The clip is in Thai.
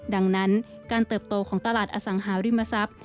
ดังนั้นการเติบโตของตลาดอสังหาริมทรัพย์